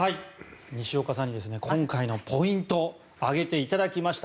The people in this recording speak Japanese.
西岡さんに今回のポイント挙げていただきました。